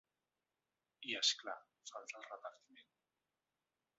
I, és clar, falta el repartiment.